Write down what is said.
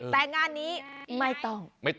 แต่งานนี้ไม่ต้อง